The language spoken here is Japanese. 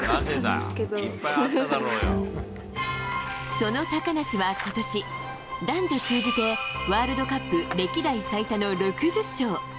その高梨は今年、男女通じてワールドカップ歴代最多の６０勝。